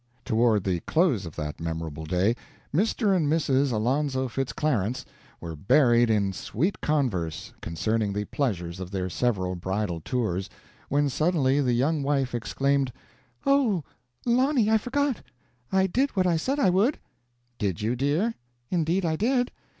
Toward the close of that memorable day Mr. and Mrs. Alonzo Fitz Clarence were buried in sweet converse concerning the pleasures of their several bridal tours, when suddenly the young wife exclaimed: "Oh, Lonny, I forgot! I did what I said I would." "Did you, dear?" "Indeed, I did.